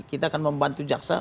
kita akan membantu jaksa